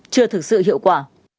chưa thực sự hiệu quả